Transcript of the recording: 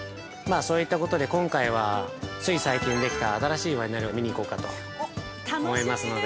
そういったことで今回はつい最近できた新しいワイナリーを見に行こうかと思いますので。